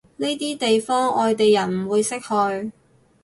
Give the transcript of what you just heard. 呢啲地方外地人唔會識去